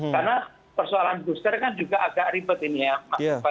karena persoalan booster kan juga agak ribet ini ya